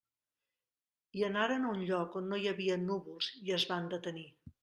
I anaren a un lloc on no hi havia núvols i es van detenir.